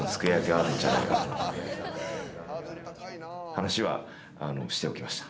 話はしておきました。